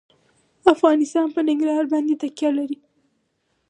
افغانستان په ننګرهار باندې تکیه لري.